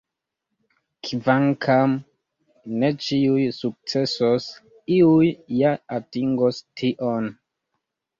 Kvankam ne ĉiuj sukcesos, iuj ja atingos tion.